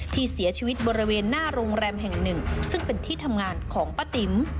ที่เสียชีวิตบริเวณหน้าโรงแรมแห่งหนึ่งซึ่งเป็นที่ทำงานของป้าติ๋ม